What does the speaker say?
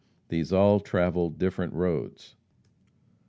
These all travelled different roads.